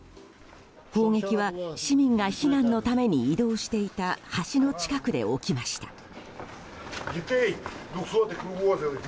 砲撃は市民が避難のために移動していた橋の近くで起きました。